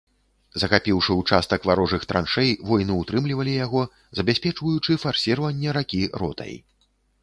Захапіўшы ўчастак варожых траншэй, воіны ўтрымлівалі яго, забяспечваючы фарсіраванне ракі ротай.